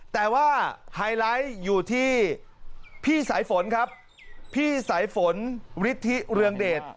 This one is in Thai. แต่ว่าไฮไลท์อยู่ที่พี่สายฝนครับพี่สายฝนฤทธิเรืองเดช